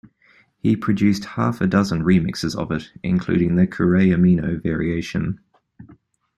He produced half a dozen remixes of it, including the "Kurayamino Variation".